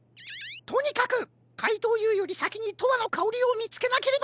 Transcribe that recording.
とにかくかいとうＵよりさきに「とわのかおり」をみつけなければ！